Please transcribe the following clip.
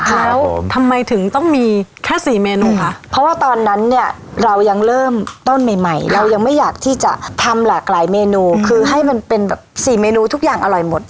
แล้วทำไมถึงต้องมีแค่สี่เมนูคะเพราะว่าตอนนั้นเนี่ยเรายังเริ่มต้นใหม่ใหม่เรายังไม่อยากที่จะทำหลากหลายเมนูคือให้มันเป็นแบบสี่เมนูทุกอย่างอร่อยหมด